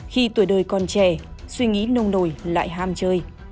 khi tuổi đời còn trẻ suy nghĩ nông nồi lại ham chơi